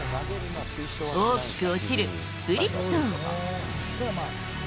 大きく落ちるスプリット。